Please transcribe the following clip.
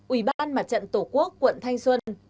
ủy ban mặt trận tổ quốc tp hà nội